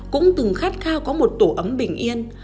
cũng từng khát khao có một tổ ấm bình yên